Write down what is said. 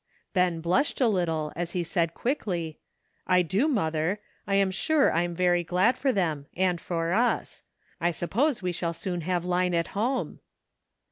Ben blushed a little as he said quickly, "I do, mother ; I am sure I am very glad for them and for us ; I suppose we shall soon have Line at home."